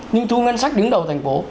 nhưng thu ngân sách đứng đầu thành phố